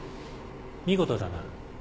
見事だな。